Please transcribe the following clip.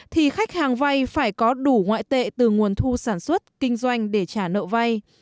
thì khách hàng vay phải có đủ ngoại tệ từ nguồn thu sản xuất kinh doanh để trả nợ vay